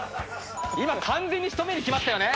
今完全に仕留めにきましたよね。